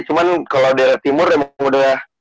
cuman kalo daerah timur emang udah